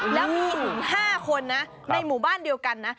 และมีถึง๕คนในหมู่บ้านเดียวกัน